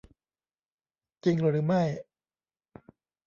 จริงหรือไม่ ?